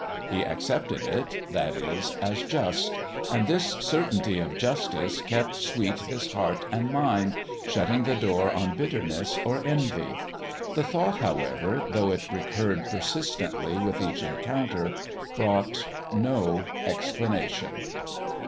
He accepted it, that is, as just; and this certainty of justice kept sweet his heart and mind, shutting the door on bitterness or envy. The thought, however, though it recurred persistently with each encounter, brought no explanation.